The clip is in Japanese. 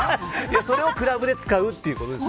それをクラブで使うということですよ。